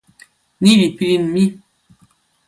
ni li pilin mi.